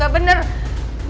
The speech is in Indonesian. gak ada apa apa